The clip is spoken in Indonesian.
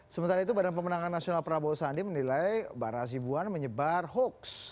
sementara itu badan pemenangan nasional prabowo sandi menilai bara asibuan menyebar hoax